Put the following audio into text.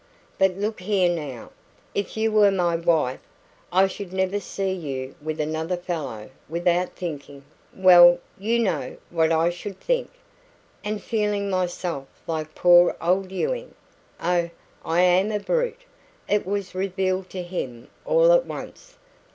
But look here now: if you were my wife, I should never see you with another fellow without thinking well, you know what I should think and feeling myself like poor old Ewing Oh, I AM a brute!" It was revealed to him all at once.